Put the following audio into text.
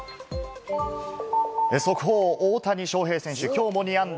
速報、大谷翔平選手、今日も２安打。